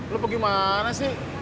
lu mau gimana sih